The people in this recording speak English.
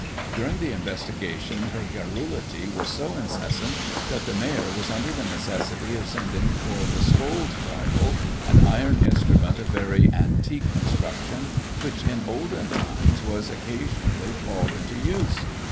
During the investigation, her garrulity was so incessant that the mayor was imder the necessity of sending for the * scold's bridle,' an iron instrument of very antique construction, which, in olden times, was occasionally called into use.